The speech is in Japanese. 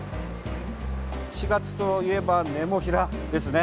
４月といえばネモフィラですね。